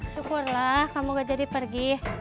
syukurlah kamu gak jadi pergi